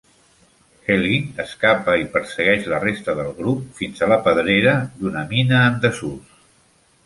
Healy escapa i persegueix la resta del grup fins a la pedrera d'una mina en desús.